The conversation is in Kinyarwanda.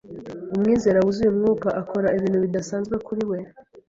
umwizera wuzuye Umwuka akora ibintu bidasanzwe kuri we